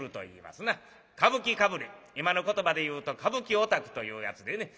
歌舞伎かぶれ今の言葉で言うと歌舞伎オタクというやつでね。